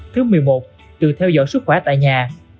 thứ một mươi một tự theo dõi sức khỏe tại nhà